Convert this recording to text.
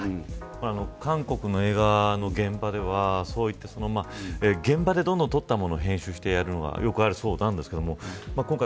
韓国の映画の現場では現場でどんどん撮ったものを編集してやるのはよくあるそうなんですが今回